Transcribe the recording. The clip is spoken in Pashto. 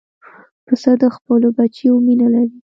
پسه د خپلو بچیو مینه لري.